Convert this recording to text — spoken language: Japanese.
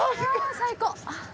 最高！